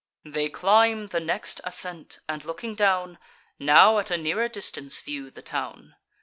They climb the next ascent, and, looking down, Now at a nearer distance view the town.